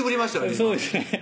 今そうですね